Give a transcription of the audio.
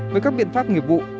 với các biện pháp nghiệp vụ